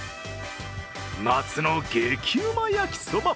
夏の激うま焼きそば。